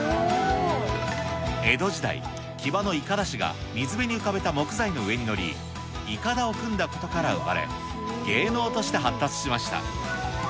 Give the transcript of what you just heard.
江戸時代、木場のいかだ師が水辺に浮かべた木材の上に乗り、いかだを組んだことから生まれ、芸能として発達しました。